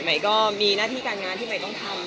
ใหม่ก็มีหน้าที่การงานที่ใหม่ต้องทำ